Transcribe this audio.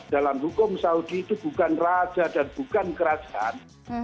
dalam hukum saudi itu bukan raja dan bukan kerajaan